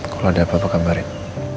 kalau ada apa apa kabarin